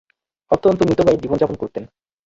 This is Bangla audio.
অত্যন্ত মিতব্যয়ী জীবনযাপন করতেন।